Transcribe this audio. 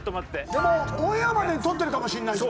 でもオンエアまでにとってるかもしれないし。